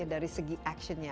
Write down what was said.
dari segi actionnya